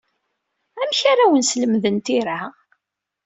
Amek ara awen-slemden tira?